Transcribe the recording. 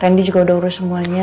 tendy juga udah urus semuanya